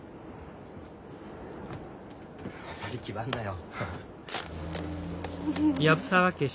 あんまり気張んなよ。